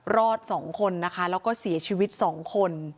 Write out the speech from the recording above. รอด๒คนนะคะแล้วก็เสียชีวิต๒คน